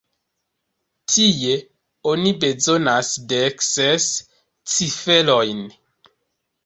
Tie, oni bezonas dek ses ciferojn.